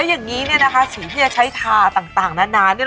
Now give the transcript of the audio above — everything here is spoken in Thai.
อย่างนี้เนี่ยนะคะสีที่จะใช้ทาต่างนานเนี่ย